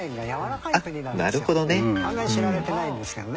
あんまり知られてないんですけどね。